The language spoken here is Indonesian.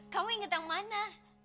kamu inget yang mana